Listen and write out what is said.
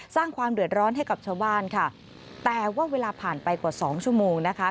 สร้างความเดือดร้อนให้กับชาวบ้านค่ะแต่ว่าเวลาผ่านไปกว่าสองชั่วโมงนะคะ